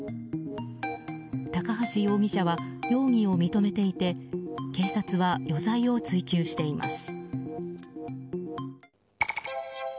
高橋容疑者は容疑を認めていて警察は余罪を追及しています。